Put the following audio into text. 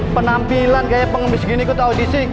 penampilan kayak pengemis gini ikut audisi